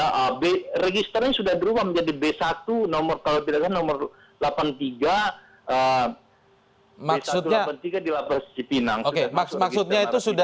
nah registernya sudah berubah menjadi b satu kalau tidak kan nomor delapan puluh tiga b satu delapan puluh tiga di lapas sipinang